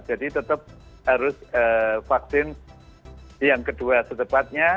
jadi tetap harus vaksin yang kedua setepatnya